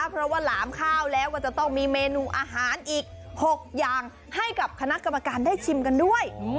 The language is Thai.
เพราะว่าหลามข้าวแล้วก็จะต้องมีเมนูอาหารอีก๖อย่างให้กับคณะกรรมการได้ชิมกันด้วย